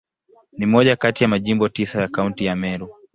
Ni moja kati ya Majimbo tisa ya Kaunti ya Meru.